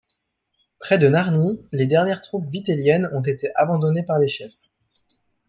Près de Narni, les dernières troupes vitelliennes ont été abandonnées par les chefs.